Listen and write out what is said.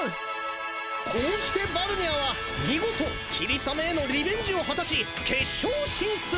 こうしてバルニャーは見事キリサメへのリベンジを果たし決勝進出！